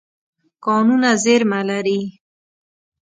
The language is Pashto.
کانونه زیرمه لري.